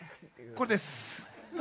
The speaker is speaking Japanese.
これです。